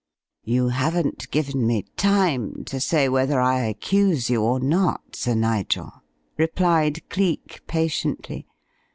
"You haven't given me time to say whether I accuse you or not, Sir Nigel," replied Cleek, patiently.